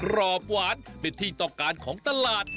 รอบหวานเป็นที่ต้องการของตลาด